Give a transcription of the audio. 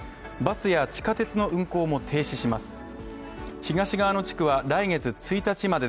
バスや地下鉄の運行も停止します。